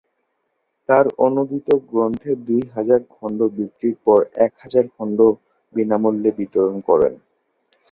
তার অনূদিত গ্রন্থের দুই হাজার খণ্ড বিক্রয়ের পর এক হাজার খণ্ড বিনামূল্যে বিতরণ করেন।